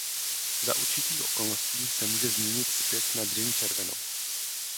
Za určitých okolností se může změnit zpět na dřeň červenou.